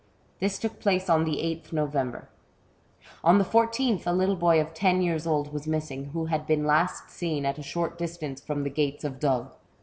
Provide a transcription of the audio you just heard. This took place on the 8th November. On the 14th a little boy of ten years old was missing, who had been last seen at a short distance from the gates of Dole.